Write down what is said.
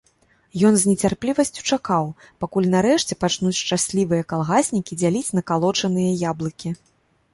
Ён з нецярплівасцю чакаў, пакуль нарэшце пачнуць шчаслівыя калгаснікі дзяліць накалочаныя яблыкі.